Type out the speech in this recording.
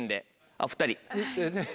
あっ２人。